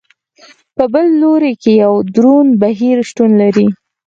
په بل لوري کې یو دروند بهیر شتون لري.